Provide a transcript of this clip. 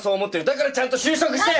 だからちゃんと就職して。